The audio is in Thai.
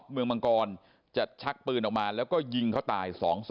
ฝ่ายชายแต่ละฝั่งก็มา